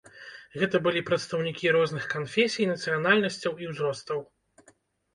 Гэта былі прадстаўнікі розных канфесій, нацыянальнасцяў і узростаў.